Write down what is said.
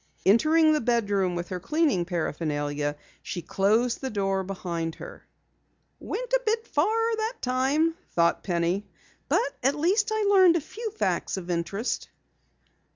Entering the bedroom with her cleaning paraphernalia, she closed the door behind her. "Went a bit too far that time," thought Penny, "but at least I learned a few facts of interest."